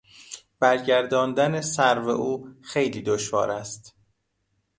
برگرداندن سرو او خیلی دشوار است.